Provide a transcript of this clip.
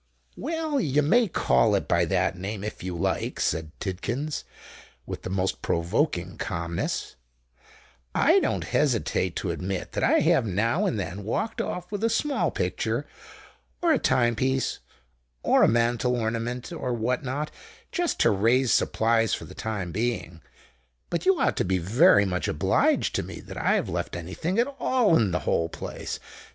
"Well—you may call it by that name, if you like," said Tidkins, with the most provoking calmness. "I don't hesitate to admit that I have now and then walked off with a small picture—or a time piece—or a mantel ornament—or what not—just to raise supplies for the time being. But you ought to be very much obliged to me that I've left any thing at all in the whole place.